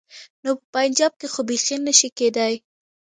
نو په پنجاب کې خو بيخي نه شي کېدای.